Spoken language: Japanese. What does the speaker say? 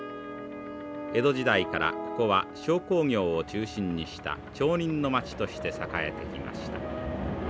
江戸時代からここは商工業を中心にした町人の街として栄えてきました。